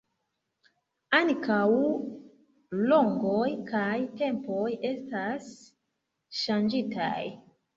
Ankaŭ longoj kaj tempoj estas ŝanĝitaj.